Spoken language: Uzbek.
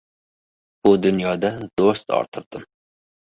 Bu dunyoda do‘st orttirdim.